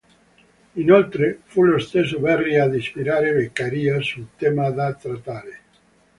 Inoltre, fu lo stesso Verri ad ispirare Beccaria sul tema da trattare.